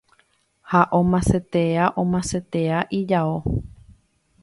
ha omasetea omasetea ijao